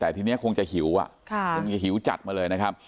แต่ทีนี้คงจะหิวคงจะหิวจัดมาเลยนะครับ